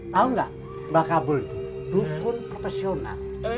tahu nggak mbak kabul lu pun profesional